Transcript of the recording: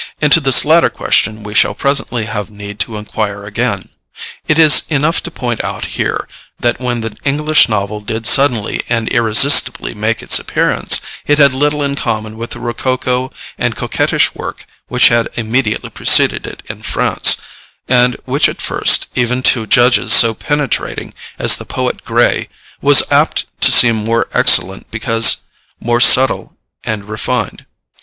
Into this latter question we shall presently have need to inquire again. It is enough to point out here that when the English novel did suddenly and irresistibly make its appearance, it had little in common with the rococo and coquettish work which had immediately preceded it in France, and which at first, even to judges so penetrating as the poet Gray, was apt to seem more excellent because more subtle and refined.